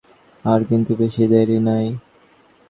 আর কিন্তু বেশি দেরি নেই।